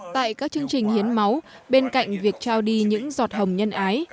tại các chương trình hiến máu bên cạnh việc trao đi những giọt hồng nhân ái